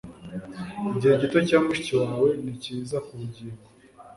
igihe gito cya mushiki wawe ni cyiza ku bugingo